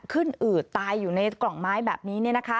อืดตายอยู่ในกล่องไม้แบบนี้